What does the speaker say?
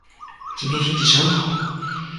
今天天气真好。